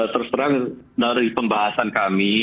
terus terang dari pembahasan kami